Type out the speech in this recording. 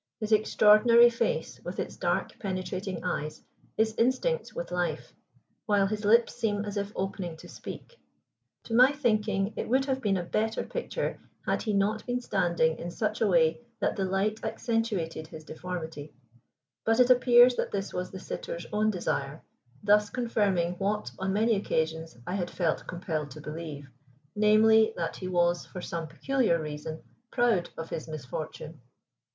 His extraordinary face, with its dark penetrating eyes, is instinct with life, while his lips seem as if opening to speak. To my thinking it would have been a better picture had he not been standing in such a way that the light accentuated his deformity; but it appears that this was the sitter's own desire, thus confirming what, on many occasions, I had felt compelled to believe, namely, that he was, for some peculiar reason, proud of his misfortune.